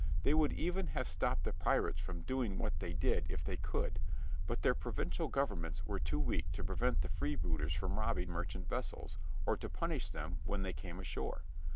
They would even have stopped the pirates from doing what they did if they could, but their provincial governments were too weak to prevent the freebooters from robbing merchant vessels, or to punish them when they came ashore.